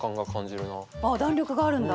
あ弾力があるんだ。